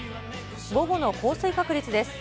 午後の降水確率です。